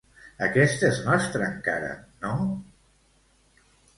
Aquest és nostre encara, no?